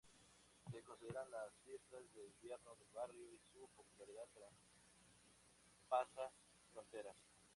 Se consideran las fiestas de invierno del barrio y su popularidad traspasa fronteras.